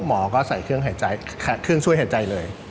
หมอก็ใส่เครื่องช่วยหายใจเลย